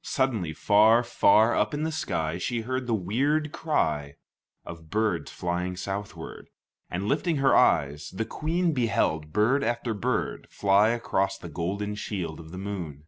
Suddenly, far, far up in the sky, she heard the weird cry of birds flying southward, and lifting her eyes, the Queen beheld bird after bird fly across the golden shield of the moon.